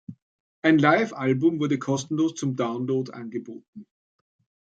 Ein Live-Album wurde kostenlos zum Download angeboten.